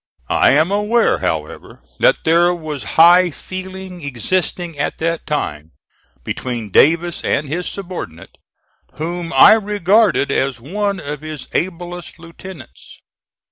I am aware, however, that there was high feeling existing at that time between Davis and his subordinate, whom I regarded as one of his ablest lieutenants.